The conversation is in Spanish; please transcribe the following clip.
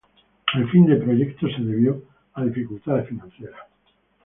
El fin de proyecto se debió a dificultades financieras.